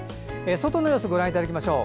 外の様子ご覧いただきましょう。